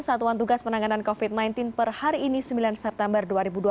satuan tugas penanganan covid sembilan belas per hari ini sembilan september dua ribu dua puluh